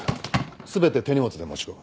全て手荷物で持ち込む。